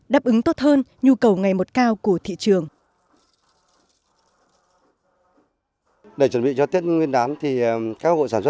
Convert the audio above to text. đáp ứng tốt hơn nhu cầu sản xuất hương và tiêu dùng hơn